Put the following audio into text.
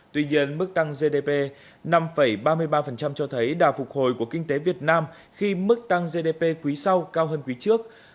tuy nhiên mức tăng gdp năm ba mươi ba cho thấy đà phục hồi của kinh tế việt nam khi mức tăng gdp quý sau cao hơn quý trước